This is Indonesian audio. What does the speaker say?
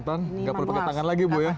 tantan nggak perlu pakai tangan lagi bu